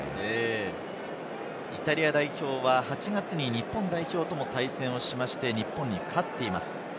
イタリア代表は８月に日本代表と対戦しまして、日本に勝っています。